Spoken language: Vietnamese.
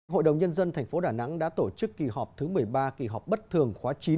hội đồng nhân dân tp đà nẵng đã tổ chức kỳ họp thứ một mươi ba kỳ họp bất thường khóa chín